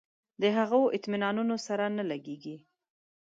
د هغو اطمینانونو سره نه لګېږي.